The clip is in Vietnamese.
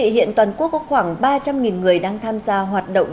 hiện toàn quốc có khoảng ba trăm linh người đang tham gia hoạt động